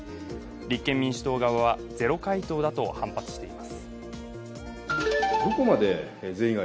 立憲民主党側はゼロ回答だと反発しています。